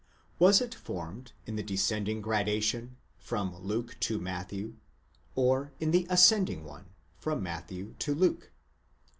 Was it formed, in the descending gradation, from Luke to Matthew, or, in the ascending one, from Matthew to Luke?